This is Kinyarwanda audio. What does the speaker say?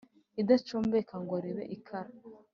idacumbeka ngo ribe ikara